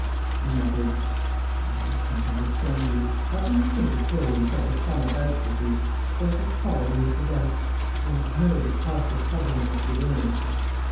She muttered: "And I can't understand you. How can you think of carrying such a sum about with you? Every farthing we possess! Lord knows, it cost us trouble enough to earn!"